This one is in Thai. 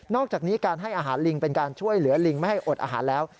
อกจากนี้การให้อาหารลิงเป็นการช่วยเหลือลิงไม่ให้อดอาหารแล้ว